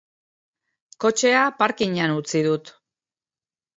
Kotxea parkingean utzi dut.